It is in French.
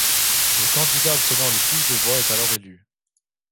Le candidat obtenant le plus de voix est alors élu.